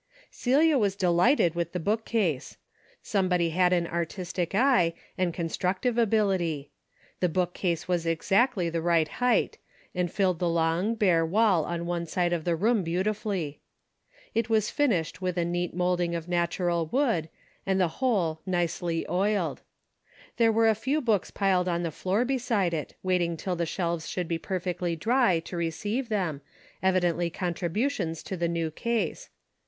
Celia was delighted with the bookcase. Somebody had an artistic eye and construc tive ability. The bookcase was exactly the right height, and filled the long bare wall on one side of the room beautifully. It was fin ished with a neat niolding of natural wood, and the whole nicely oiled. There were a few books piled on the floor beside it, waiting till the shelves should be perfectly dry to re ceive them, evidently contributions to the new case.